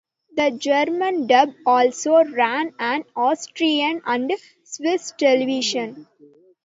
The German dub also ran on Austrian and Swiss television.